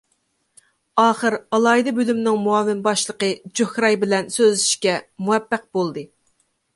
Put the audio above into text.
ئاخىر ئالاھىدە بۆلۈمنىڭ مۇئاۋىن باشلىقى جوھراي بىلەن سۆزلىشىشكە مۇۋەپپەق بولدى.